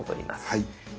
はい。